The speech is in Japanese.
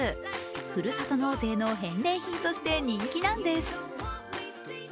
ふるさと納税の返礼品として人気なんです。